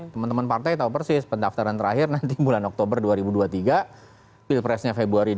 teman teman partai tahu persis pendaftaran terakhir nanti bulan oktober dua ribu dua puluh tiga pilpresnya februari dua ribu dua puluh